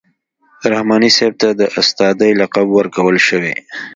رحماني صاحب ته د استادۍ لقب ورکول شوی.